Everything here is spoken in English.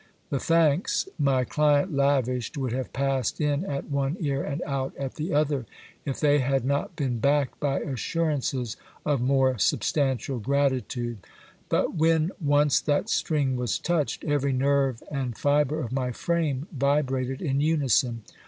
The thanks my client lavished would have passed in at one ear and out at the other, if they bad not been backed by assurances of more substantial gratitude. But when once that string was touched, every nerve and fibre of my frame vibrated in unison.